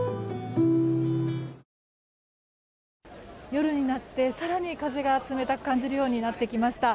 夜になって更に風が冷たく感じるようになってきました。